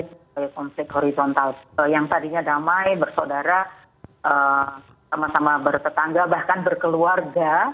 sebagai konflik horizontal yang tadinya damai bersaudara sama sama bertetangga bahkan berkeluarga